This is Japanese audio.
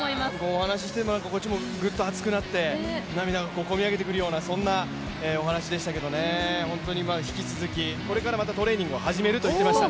お話しているこちらもグッと熱くなって涙がこみ上げてくるようなそんなお話でしたけれどもね、本当に引き続き、これからトレーニングを始めるということも言っていました。